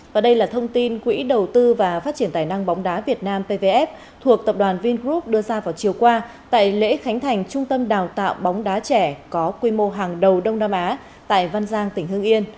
và đây là thông tin quỹ đầu tư và phát triển tài năng bóng đá việt nam pvf thuộc tập đoàn vingroup đưa ra vào chiều qua tại lễ khánh thành trung tâm đào tạo bóng đá trẻ có quy mô hàng đầu đông nam á tại văn giang tỉnh hưng yên